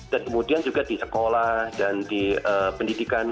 dan kemudian juga di sekolah dan di pendidikan